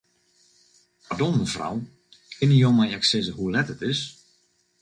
Pardon, mefrou, kinne jo my ek sizze hoe let it is?